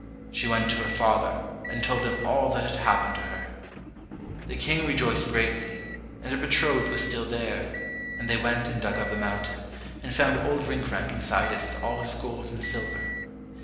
She went to her father, and told him all that had happened to her. The King rejoiced greatly, and her betrothed was still there, and they went and dug up the mountain, and found Old Rinkrank inside it with all his gold and silver.